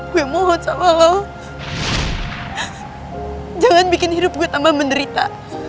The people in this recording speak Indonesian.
gue mohon sama allah jangan bikin hidup gue tambah menderita